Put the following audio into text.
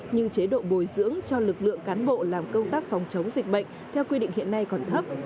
như chế độ bồi dưỡng cho lực lượng cán bộ làm công tác phòng chống dịch bệnh theo quy định hiện nay còn thấp